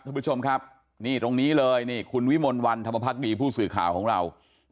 ทุกผู้ชมครับนี่ตรงนี้เลยคุณวิมนต์วัรธรรมพักย์พูดสื่อข่าวของเรา